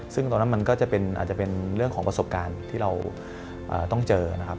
ซึ่งตอนนั้นมันก็อาจจะเป็นเรื่องของประสบการณ์ที่เราต้องเจอนะครับ